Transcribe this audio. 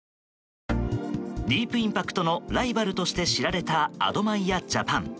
ディープインパクトのライバルとして知られたアドマイヤジャパン。